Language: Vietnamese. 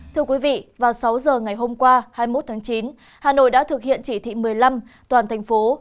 thưa quý vị vào sáu giờ ngày hôm qua hai mươi một tháng chín hà nội đã thực hiện chỉ thị một mươi năm toàn thành phố